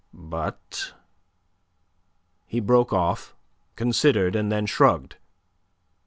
But..." He broke off, considered, and then shrugged.